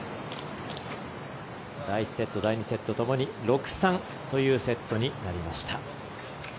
第１セット、第２セットともに６−３というセットになりました。